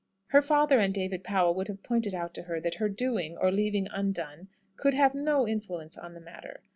Her father and David Powell would have pointed out to her, that her "doing," or leaving undone, could have no influence on the matter.